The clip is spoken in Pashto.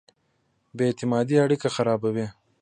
بې اعتمادۍ اړیکې خرابوي.